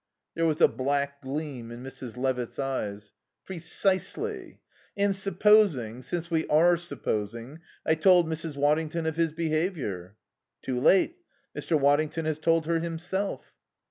There was a black gleam in Mrs. Levitt's eyes. "Precisely. And supposing since we are supposing I told Mrs. Waddington of his behaviour?" "Too late. Mr. Waddington has told her himself."